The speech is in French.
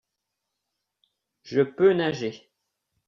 Je peux nager.